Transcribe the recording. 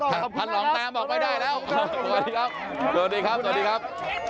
ต้องขอบคุณให้แล้วสวัสดีครับสวัสดีครับสวัสดีครับ